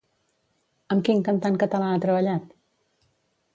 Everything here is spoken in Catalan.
Amb quin cantant català ha treballat?